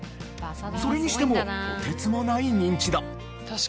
それにしてもとてつもないニンチド。